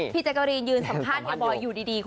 แจ๊กกะรีนยืนสัมภาษณ์เฮียบอยอยู่ดี